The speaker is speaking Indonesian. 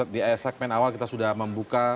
di segmen awal kita sudah membuka